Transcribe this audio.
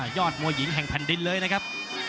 ยอดมวยหญิงแห่งแผ่นดินเลยนะครับ